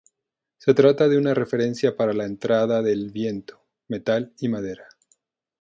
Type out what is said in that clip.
Se trata de una referencia para la entrada del viento, metal y madera.